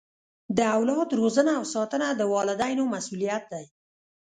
د اولاد روزنه او ساتنه د والدینو مسؤلیت دی.